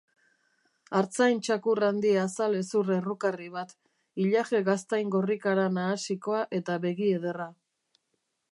Artzain-txakur handi azal-hezur errukarri bat, ilaje gaztain gorrikara nahasikoa eta begi-ederra.